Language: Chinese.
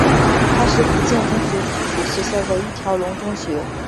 它是福建中学附属学校的一条龙中学。